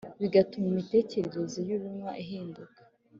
bigatuma imitekerereze y’ubinywa ihinduka